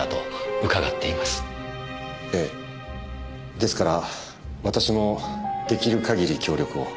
ですから私も出来る限り協力を。